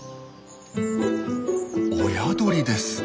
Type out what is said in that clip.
親鳥です。